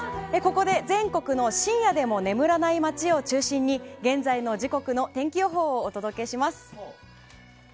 ここで全国の、深夜でも眠らない街を中心に、現在の時刻の天気予報をお届けします。